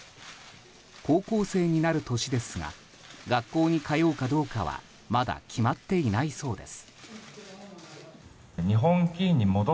高校生になる年ですが学校に通うかどうかはまだ決まっていないそうです。